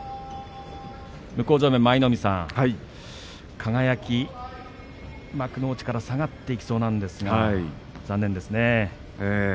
舞の海さん、輝幕内から下がっていきそうなんですが、残念ですね。